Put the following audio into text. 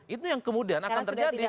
itu yang kemudian akan terjadi ke depan